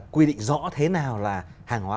quy định rõ thế nào là hàng hóa